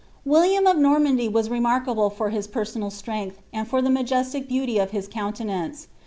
Wiltiani of Normandy was remarkable fur his personal strength, and foi the majestic beauty of his countenanre.